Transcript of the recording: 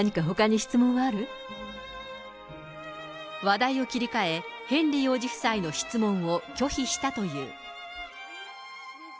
話題を切り替え、ヘンリー王子夫妻の質問を拒否したという。